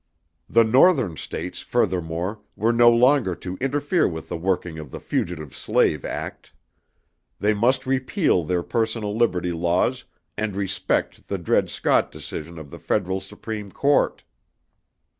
The Northern states, furthermore, were no longer to interfere with the working of the Fugitive Slave Act. They must repeal their Personal Liberty laws and respect the Dred Scott Decision of the Federal Supreme Court.